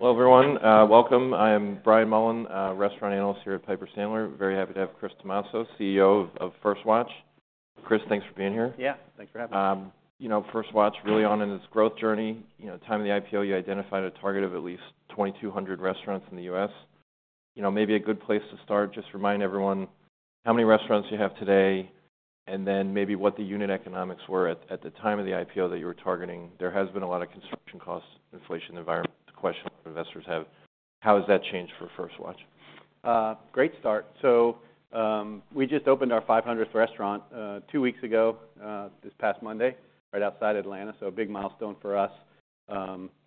Hello, everyone. Welcome. I am Brian Mullan, restaurant analyst here at Piper Sandler. Very happy to have Chris Tomasso, CEO of First Watch. Chris, thanks for being here. Yeah, thanks for having me. You know, First Watch really on in its growth journey. You know, at the time of the IPO, you identified a target of at least 2,200 restaurants in the U.S. You know, maybe a good place to start, just remind everyone how many restaurants you have today, and then maybe what the unit economics were at the time of the IPO that you were targeting. There has been a lot of construction costs, inflation environment. The question investors have: how has that changed for First Watch? Great start. So, we just opened our 500th restaurant, two weeks ago, this past Monday, right outside Atlanta. So a big milestone for us.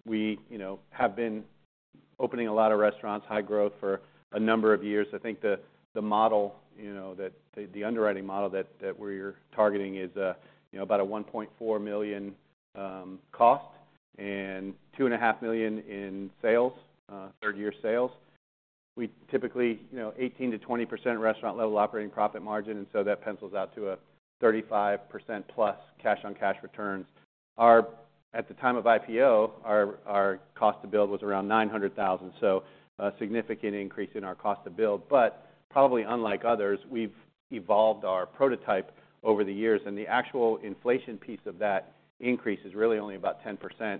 We, you know, have been opening a lot of restaurants, high growth for a number of years. I think the model, you know, that the underwriting model that we're targeting is, you know, about a $1.4 million cost and $2.5 million in sales, third-year sales. We typically, you know, 18%-20% restaurant-level operating profit margin, and so that pencils out to 35%+ cash-on-cash returns. At the time of IPO, our cost to build was around $900,000, so a significant increase in our cost to build. But probably unlike others, we've evolved our prototype over the years, and the actual inflation piece of that increase is really only about 10%.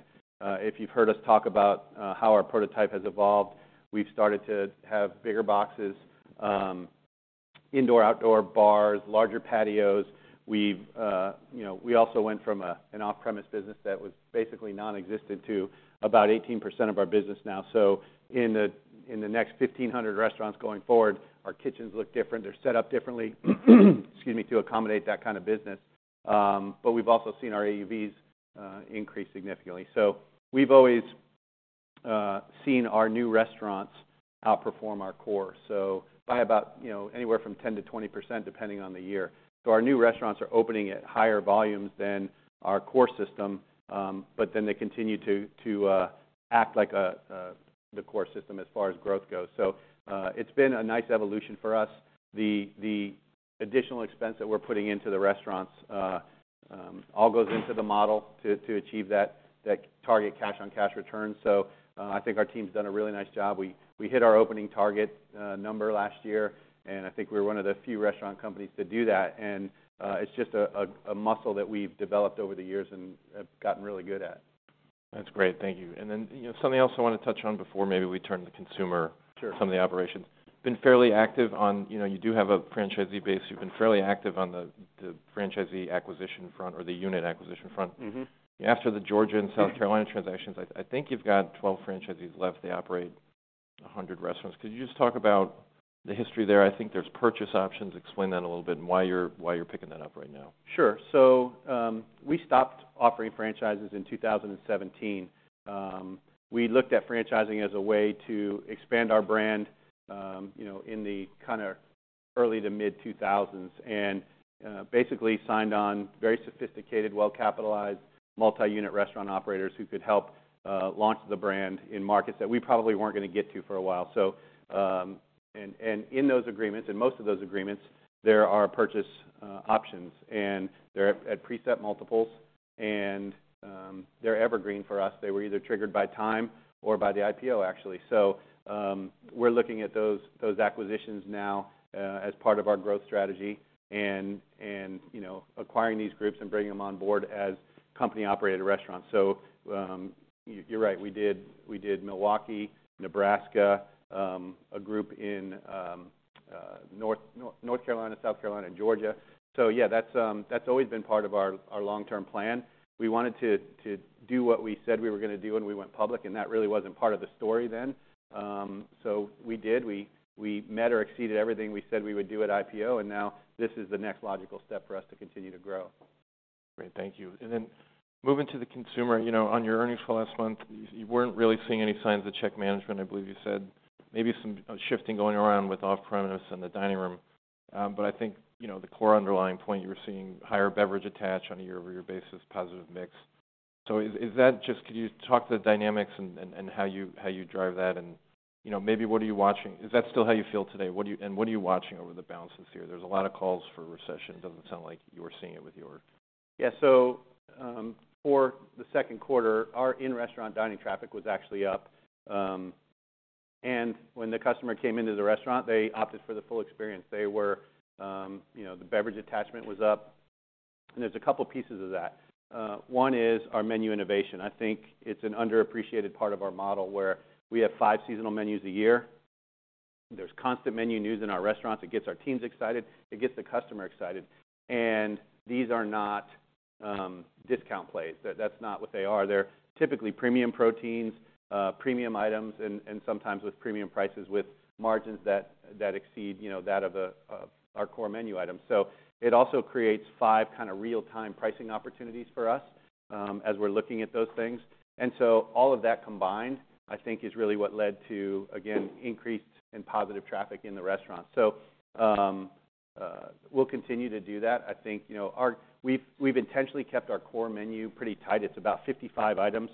If you've heard us talk about how our prototype has evolved, we've started to have bigger boxes, indoor/outdoor bars, larger patios. You know, we also went from an off-premise business that was basically nonexistent to about 18% of our business now. So in the next 1,500 restaurants going forward, our kitchens look different. They're set up differently, excuse me, to accommodate that kind of business. But we've also seen our AUVs increase significantly. So we've always seen our new restaurants outperform our core, so by about, you know, anywhere from 10%-20%, depending on the year. So our new restaurants are opening at higher volumes than our core system, but then they continue to act like the core system as far as growth goes. So, it's been a nice evolution for us. The additional expense that we're putting into the restaurants all goes into the model to achieve that target cash-on-cash return. So, I think our team's done a really nice job. We hit our opening target number last year, and I think we're one of the few restaurant companies to do that. And, it's just a muscle that we've developed over the years and have gotten really good at. That's great. Thank you. And then, you know, something else I want to touch on before maybe we turn to the consumer- Sure. Some of the operations. Been fairly active on... You know, you do have a franchisee base. You've been fairly active on the franchisee acquisition front or the unit acquisition front. Mm-hmm. After the Georgia and South Carolina transactions, I think you've got 12 franchisees left. They operate 100 restaurants. Could you just talk about the history there? I think there's purchase options. Explain that a little bit and why you're picking that up right now. Sure. So, we stopped offering franchises in 2017. We looked at franchising as a way to expand our brand, you know, in the kinda early to mid-2000s and basically signed on very sophisticated, well-capitalized, multi-unit restaurant operators who could help launch the brand in markets that we probably weren't gonna get to for a while. So, in those agreements, in most of those agreements, there are purchase options, and they're at preset multiples, and they're evergreen for us. They were either triggered by time or by the IPO, actually. So, we're looking at those acquisitions now as part of our growth strategy and, you know, acquiring these groups and bringing them on board as company-operated restaurants. So, you're right, we did Milwaukee, Nebraska, a group in North Carolina, South Carolina, and Georgia. So yeah, that's always been part of our long-term plan. We wanted to do what we said we were gonna do when we went public, and that really wasn't part of the story then. So we did. We met or exceeded everything we said we would do at IPO, and now this is the next logical step for us to continue to grow. Great. Thank you. And then moving to the consumer, you know, on your earnings call last month, you, you weren't really seeing any signs of check management, I believe you said. Maybe some shifting going around with off-premise and the dining room. But I think, you know, the core underlying point, you were seeing higher beverage attach on a year-over-year basis, positive mix. So is, is that just... Could you talk to the dynamics and, and, and how you, how you drive that? And, you know, maybe what are you watching? Is that still how you feel today? What are you-- and what are you watching over the balance this year? There's a lot of calls for recession. Doesn't sound like you are seeing it with your- Yeah. So, for the second quarter, our in-restaurant dining traffic was actually up. And when the customer came into the restaurant, they opted for the full experience. They were, you know, the beverage attachment was up, and there's a couple pieces of that. One is our menu innovation. I think it's an underappreciated part of our model, where we have five seasonal menus a year. There's constant menu news in our restaurants. It gets our teams excited, it gets the customer excited, and these are not, discount plays. That's not what they are. They're typically premium proteins, premium items, and sometimes with premium prices, with margins that exceed, you know, that of our core menu items. So it also creates five kind of real-time pricing opportunities for us, as we're looking at those things. And so all of that combined, I think, is really what led to, again, increased and positive traffic in the restaurants. So we'll continue to do that. I think, you know, our—we've, we've intentionally kept our core menu pretty tight. It's about 55 items,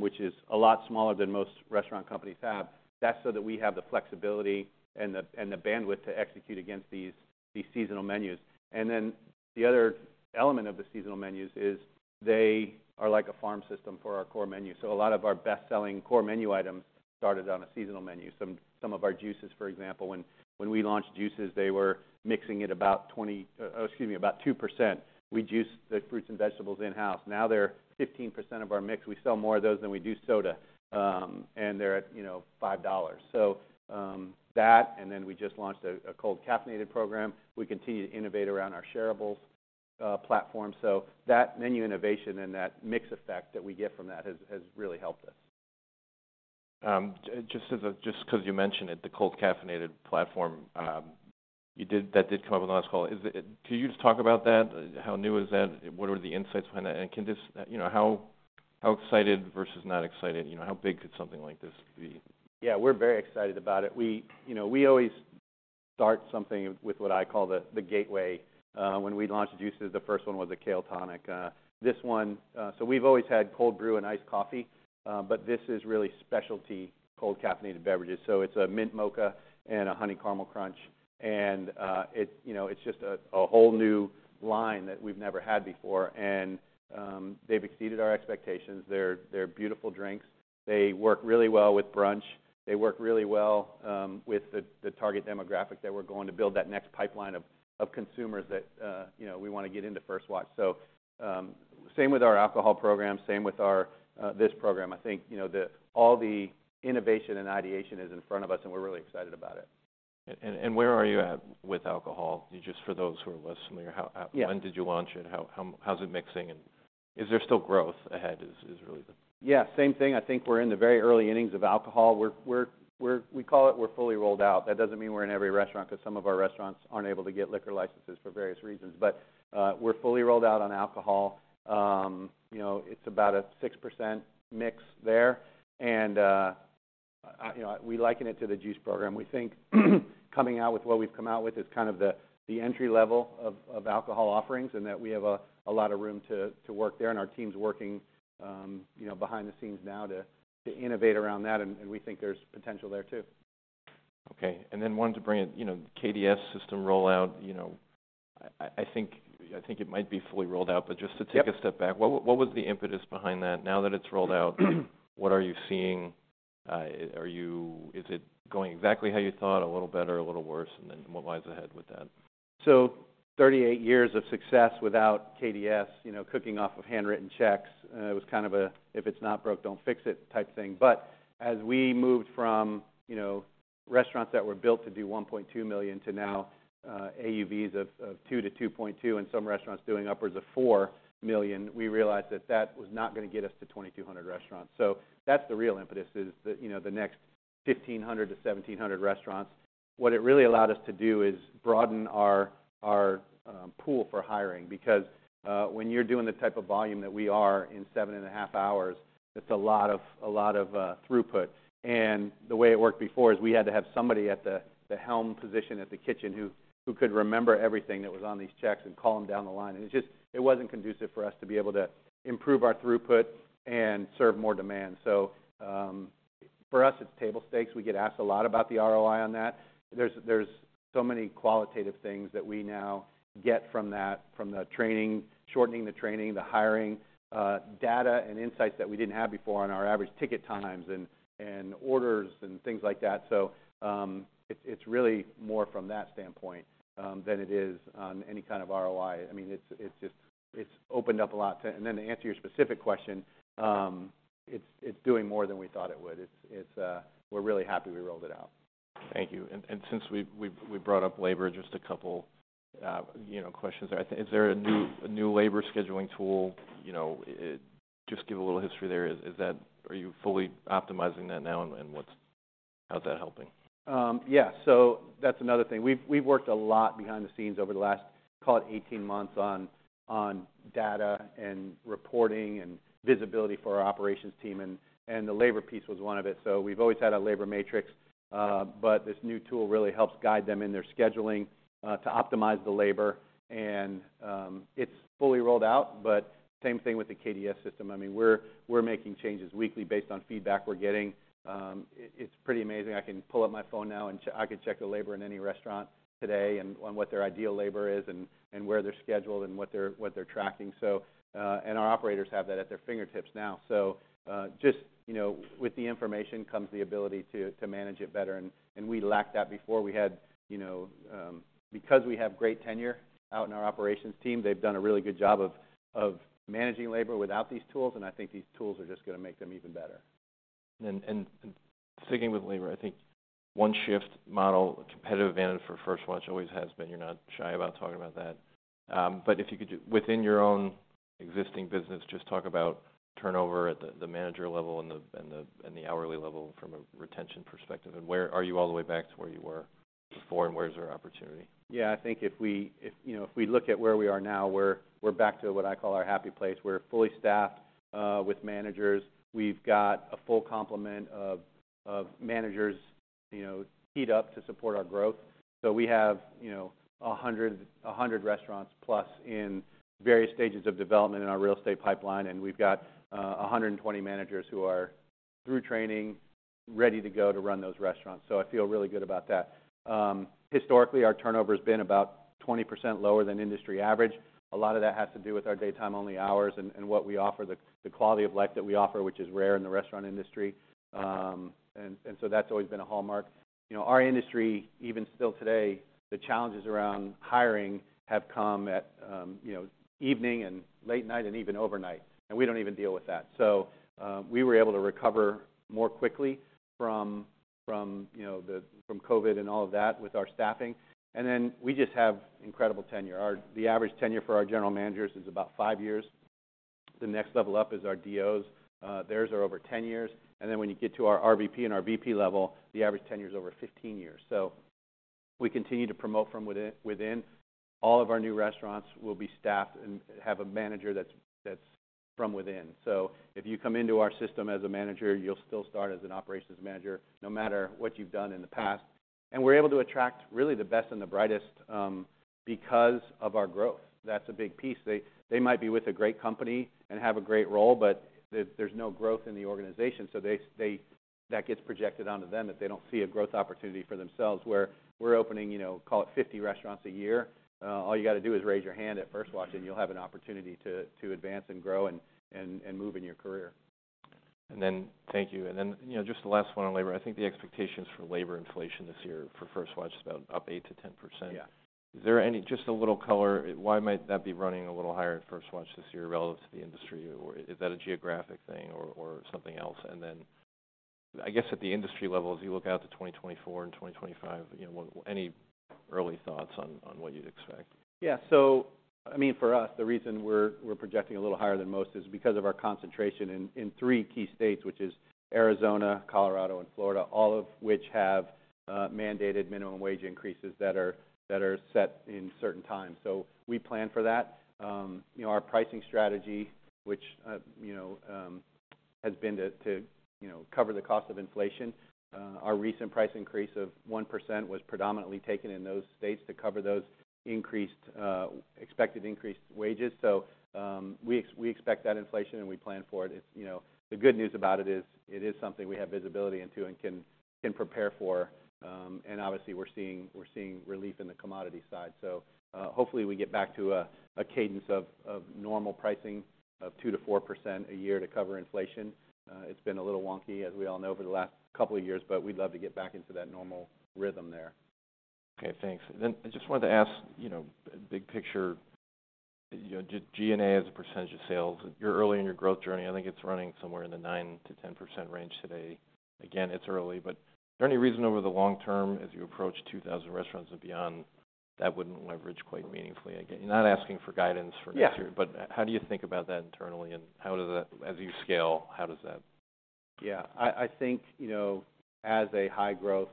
which is a lot smaller than most restaurant companies have. That's so that we have the flexibility and the, and the bandwidth to execute against these, these seasonal menus. And then the other element of the seasonal menus is they are like a farm system for our core menu. So a lot of our best-selling core menu items started on a seasonal menu. Some, some of our juices, for example, when, when we launched juices, they were mixing at about twenty, excuse me, about 2%. We juiced the fruits and vegetables in-house. Now, they're 15% of our mix. We sell more of those than we do soda, and they're at, you know, $5. So, that, and then we just launched a cold caffeinated program. We continue to innovate around our shareables platform. So that menu innovation and that mix effect that we get from that has really helped us. Just 'cause you mentioned it, the cold caffeinated platform, that did come up on the last call. Can you just talk about that? How new is that? What are the insights behind that, and can this... You know, how excited versus not excited? You know, how big could something like this be? Yeah, we're very excited about it. We, you know, we always start something with what I call the, the gateway. When we launched juices, the first one was a Kale Tonic. This one, so we've always had cold brew and iced coffee, but this is really specialty cold caffeinated beverages. So it's a Mint Mocha and a Honey Caramel Crunch. And, it, you know, it's just a whole new line that we've never had before, and, they've exceeded our expectations. They're beautiful drinks. They work really well with brunch. They work really well with the target demographic that we're going to build that next pipeline of consumers that, you know, we want to get into First Watch. So, same with our alcohol program, same with our this program. I think, you know, all the innovation and ideation is in front of us, and we're really excited about it. And where are you at with alcohol? Just for those who are less familiar- Yeah. When did you launch it, and how's it mixing, and is there still growth ahead? Is really the- Yeah, same thing. I think we're in the very early innings of alcohol. We call it we're fully rolled out. That doesn't mean we're in every restaurant, 'cause some of our restaurants aren't able to get liquor licenses for various reasons. But we're fully rolled out on alcohol. You know, it's about a 6% mix there, and, I, you know, we liken it to the juice program. We think, coming out with what we've come out with is kind of the entry level of alcohol offerings, and that we have a lot of room to work there, and our team's working, you know, behind the scenes now to innovate around that, and we think there's potential there, too. Okay, and then wanted to bring in, you know, KDS system rollout, you know, I think it might be fully rolled out- Yep. Just to take a step back, what was the impetus behind that? Now that it's rolled out, what are you seeing? Are you-- Is it going exactly how you thought, a little better, a little worse, and then what lies ahead with that? So 38 years of success without KDS, you know, cooking off of handwritten checks, it was kind of a, "If it's not broke, don't fix it," type thing. But as we moved from, you know, restaurants that were built to do $1.2 million to now, AUVs of 2-2.2 and some restaurants doing upwards of $4 million, we realized that that was not gonna get us to 2,200 restaurants. So that's the real impetus, is the, you know, the next 1,500-1,700 restaurants. What it really allowed us to do is broaden our, our, pool for hiring because, when you're doing the type of volume that we are in 7.5 hours, it's a lot of throughput. The way it worked before is we had to have somebody at the helm position at the kitchen who could remember everything that was on these checks and call them down the line. It just wasn't conducive for us to be able to improve our throughput and serve more demand. For us, it's table stakes. We get asked a lot about the ROI on that. There's so many qualitative things that we now get from that, from the training, shortening the training, the hiring, data and insights that we didn't have before on our average ticket times and orders and things like that. It's really more from that standpoint than it is on any kind of ROI. I mean, it's just, it's opened up a lot to... Then, to answer your specific question, it's we're really happy we rolled it out. Thank you. And since we've brought up labor, just a couple, you know, questions. I think, is there a new labor scheduling tool? You know, just give a little history there. Is that? Are you fully optimizing that now, and what's... How's that helping? Yeah, so that's another thing. We've worked a lot behind the scenes over the last, call it 18 months, on data and reporting and visibility for our operations team, and the labor piece was one of it. So we've always had a labor matrix, but this new tool really helps guide them in their scheduling to optimize the labor. And it's fully rolled out, but same thing with the KDS system. I mean, we're making changes weekly based on feedback we're getting. It's pretty amazing. I can pull up my phone now and check the labor in any restaurant today and on what their ideal labor is and where they're scheduled and what they're tracking. So our operators have that at their fingertips now. So, just, you know, with the information comes the ability to manage it better, and we lacked that before. We had, you know... Because we have great tenure out in our operations team, they've done a really good job of managing labor without these tools, and I think these tools are just gonna make them even better. Sticking with labor, I think one shift model, competitive advantage for First Watch always has been, you're not shy about talking about that. But if you could just, within your own existing business, just talk about turnover at the manager level and the hourly level from a retention perspective, and where are you all the way back to where you were before, and where is there opportunity? Yeah, I think if we, you know, if we look at where we are now, we're back to what I call our happy place. We're fully staffed with managers. We've got a full complement of managers ready to support our growth. So we have, you know, 100 restaurants plus in various stages of development in our real estate pipeline, and we've got 120 managers who are through training, ready to go to run those restaurants. So I feel really good about that. Historically, our turnover has been about 20% lower than industry average. A lot of that has to do with our daytime-only hours and what we offer, the quality of life that we offer, which is rare in the restaurant industry. So that's always been a hallmark. You know, our industry, even still today, the challenges around hiring have come at, you know, evening and late night and even overnight, and we don't even deal with that. So, we were able to recover more quickly from you know COVID and all of that with our staffing. And then we just have incredible tenure. The average tenure for our general managers is about five years. The next level up is our DOs, theirs are over 10 years. And then when you get to our RVP and our VP level, the average tenure is over 15 years. So we continue to promote from within. All of our new restaurants will be staffed and have a manager that's from within. If you come into our system as a manager, you'll still start as an operations manager, no matter what you've done in the past. We're able to attract really the best and the brightest because of our growth. That's a big piece. They might be with a great company and have a great role, but there's no growth in the organization, so that gets projected onto them if they don't see a growth opportunity for themselves. Where we're opening, you know, call it 50 restaurants a year, all you got to do is raise your hand at First Watch, and you'll have an opportunity to advance and grow and move in your career. Thank you. And then, you know, just the last one on labor. I think the expectations for labor inflation this year for First Watch is about up 8%-10%. Yeah. Just a little color, why might that be running a little higher at First Watch this year relative to the industry? Or is that a geographic thing or something else? And then, I guess, at the industry level, as you look out to 2024 and 2025, you know, what any early thoughts on what you'd expect? Yeah. So I mean, for us, the reason we're projecting a little higher than most is because of our concentration in three key states, which is Arizona, Colorado, and Florida, all of which have mandated minimum wage increases that are set in certain times. So we plan for that. You know, our pricing strategy, which you know has been to you know cover the cost of inflation, our recent price increase of 1% was predominantly taken in those states to cover those increased expected increased wages. So we expect that inflation, and we plan for it. It's you know... The good news about it is, it is something we have visibility into and can prepare for. And obviously, we're seeing relief in the commodity side. So, hopefully, we get back to a cadence of normal pricing of 2%-4% a year to cover inflation. It's been a little wonky, as we all know, over the last couple of years, but we'd love to get back into that normal rhythm there. Okay, thanks. Then I just wanted to ask, you know, big picture, you know, G&A as a percentage of sales, you're early in your growth journey. I think it's running somewhere in the 9%-10% range today. Again, it's early, but is there any reason over the long term, as you approach 2,000 restaurants and beyond, that wouldn't leverage quite meaningfully again? I'm not asking for guidance for next year. Yeah. But how do you think about that internally, and how does that, as you scale, how does that...? Yeah. I think, you know, as a high-growth,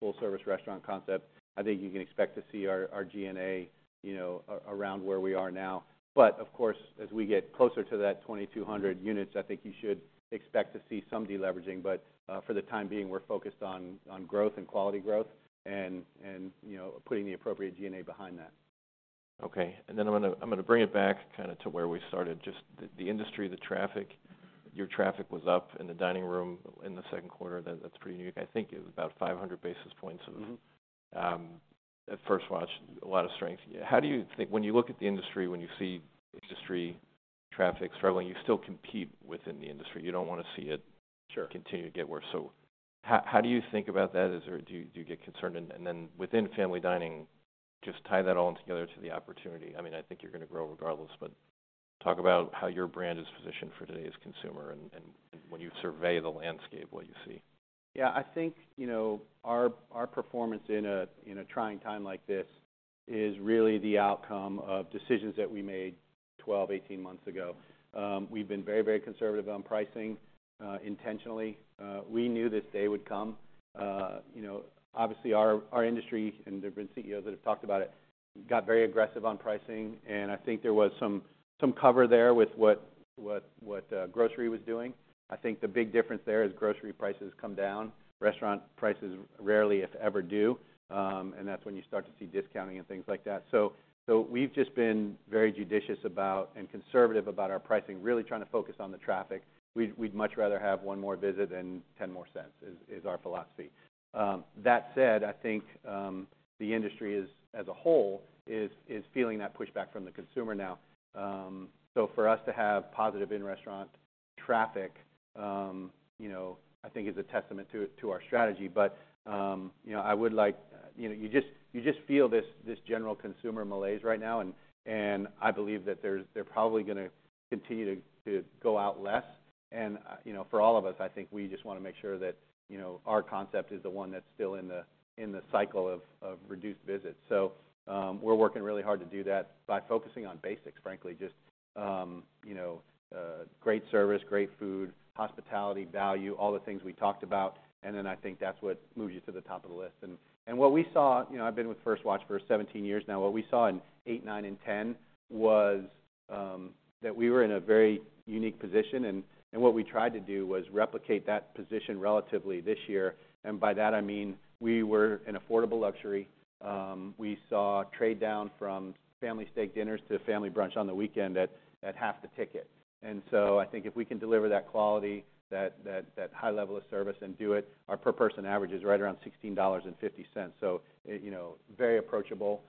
full-service restaurant concept, I think you can expect to see our G&A, you know, around where we are now. But of course, as we get closer to that 2,200 units, I think you should expect to see some deleveraging. But for the time being, we're focused on growth and quality growth and, you know, putting the appropriate G&A behind that. Okay. Then I'm gonna bring it back kinda to where we started. Just the industry, the traffic. Your traffic was up in the dining room in the second quarter, that's pretty unique. I think it was about 500 basis points of- Mm-hmm... at First Watch, a lot of strength. How do you think, when you look at the industry, when you see industry traffic struggling, you still compete within the industry. You don't want to see it. Sure... continue to get worse. So how do you think about that? Do you get concerned? And then within family dining, just tie that all in together to the opportunity. I mean, I think you're going to grow regardless, but talk about how your brand is positioned for today's consumer and when you survey the landscape, what you see. Yeah. I think, you know, our performance in a trying time like this is really the outcome of decisions that we made 12, 18 months ago. We've been very, very conservative on pricing, intentionally. We knew this day would come. You know, obviously, our industry, and there have been CEOs that have talked about it, got very aggressive on pricing, and I think there was some cover there with what grocery was doing. I think the big difference there is grocery prices come down. Restaurant prices rarely, if ever, do, and that's when you start to see discounting and things like that. So we've just been very judicious about and conservative about our pricing, really trying to focus on the traffic. We'd much rather have one more visit than 10 more cents, is our philosophy. That said, I think the industry, as a whole, is feeling that pushback from the consumer now. So for us to have positive in-restaurant traffic, you know, I think is a testament to our strategy. But you know, I would like... You know, you just feel this general consumer malaise right now, and I believe that they're probably gonna continue to go out less. And you know, for all of us, I think we just wanna make sure that you know, our concept is the one that's still in the cycle of reduced visits. So, we're working really hard to do that by focusing on basics, frankly, just, you know, great service, great food, hospitality, value, all the things we talked about, and then I think that's what moves you to the top of the list, and what we saw. You know, I've been with First Watch for 17 years now. What we saw in 2008, 2009, and 2010 was that we were in a very unique position, and what we tried to do was replicate that position relatively this year. And by that, I mean we were an affordable luxury. We saw trade down from family steak dinners to family brunch on the weekend at half the ticket. And so I think if we can deliver that quality, that high level of service and do it, our per person average is right around $16.50. So, you know, very approachable.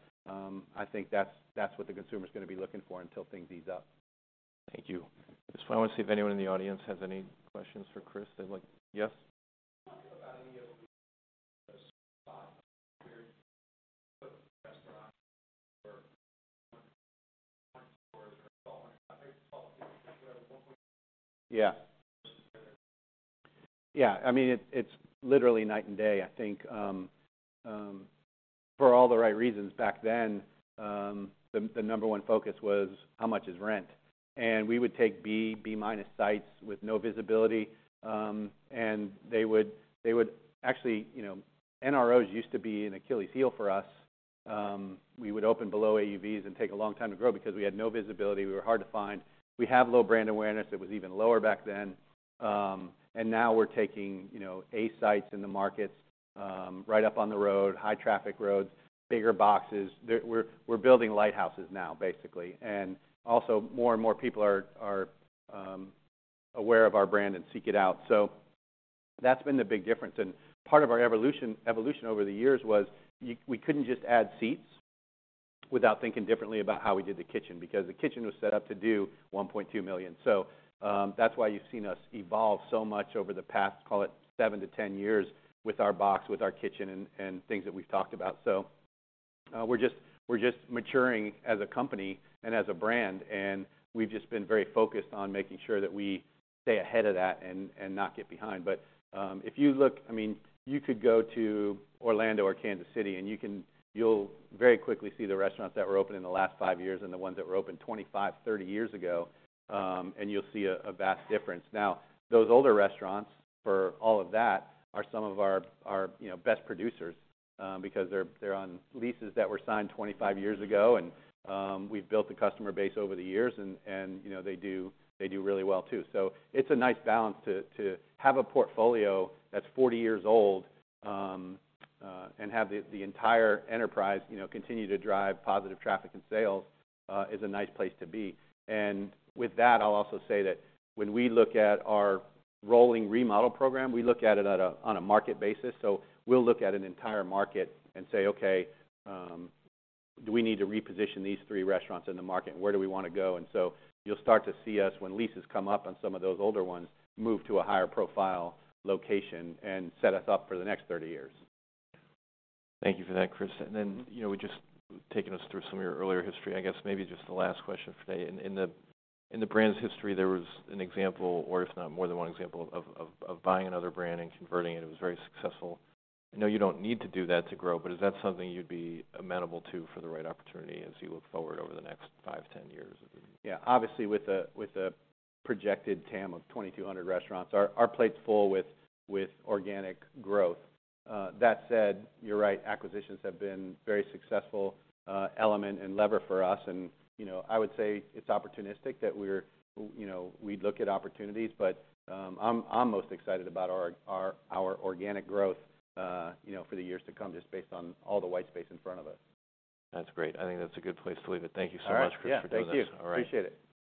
I think that's what the consumer is gonna be looking for until things ease up. ... Thank you. Just want to see if anyone in the audience has any questions for Chris they'd like-- Yes? Yeah. Yeah, I mean, it's literally night and day. I think, for all the right reasons back then, the number one focus was: How much is rent? And we would take B, B- sites with no visibility, and they would. Actually, you know, NROs used to be an Achilles' heel for us. We would open below AUVs and take a long time to grow because we had no visibility, we were hard to find. We have low brand awareness, it was even lower back then. And now we're taking, you know, A sites in the markets, right up on the road, high traffic roads, bigger boxes. They're. We're building lighthouses now, basically. And also, more and more people are aware of our brand and seek it out. So that's been the big difference, and part of our evolution over the years was we couldn't just add seats without thinking differently about how we did the kitchen, because the kitchen was set up to do $1.2 million. That's why you've seen us evolve so much over the past, call it 7-10 years, with our box, with our kitchen, and things that we've talked about. We're just maturing as a company and as a brand, and we've just been very focused on making sure that we stay ahead of that and not get behind. But if you look... I mean, you could go to Orlando or Kansas City, and you can, you'll very quickly see the restaurants that were open in the last five years and the ones that were open 25, 30 years ago, and you'll see a vast difference. Now, those older restaurants, for all of that, are some of our, you know, best producers, because they're on leases that were signed 25 years ago, and, we've built a customer base over the years, and, you know, they do really well too. So it's a nice balance to have a portfolio that's 40 years old, and have the entire enterprise, you know, continue to drive positive traffic and sales, is a nice place to be. And with that, I'll also say that when we look at our rolling remodel program, we look at it on a market basis. So we'll look at an entire market and say: Okay, do we need to reposition these 3 restaurants in the market, and where do we want to go? And so you'll start to see us, when leases come up on some of those older ones, move to a higher profile location and set us up for the next 30 years. Thank you for that, Chris. And then, you know, we've just taken us through some of your earlier history. I guess maybe just the last question for today. In the brand's history, there was an example, or if not more than one example, of buying another brand and converting it, and it was very successful. I know you don't need to do that to grow, but is that something you'd be amenable to for the right opportunity as you look forward over the next five, ten years? Yeah. Obviously, with a projected TAM of 2,200 restaurants, our plate's full with organic growth. That said, you're right, acquisitions have been very successful, element and lever for us. And, you know, I would say it's opportunistic that we'd look at opportunities, but I'm most excited about our organic growth, you know, for the years to come, just based on all the white space in front of us. That's great. I think that's a good place to leave it. Thank you so much. All right. Chris, for doing this. Yeah, thank you. All right. Appreciate it.